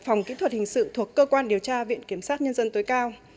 phòng kỹ thuật hình sự thuộc cơ quan điều tra viện kiểm sát nhân dân tối cao